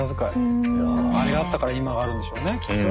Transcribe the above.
あれがあったから今があるんでしょうねきっと。